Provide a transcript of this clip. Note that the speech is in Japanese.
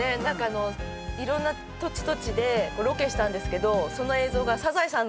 何かあのいろんな土地土地でロケしたんですけどその映像が。